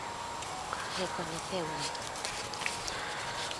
Recoñeceuno.